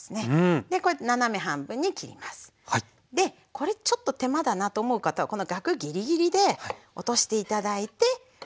これちょっと手間だなと思う方はこのガクギリギリで落として頂いてＯＫです。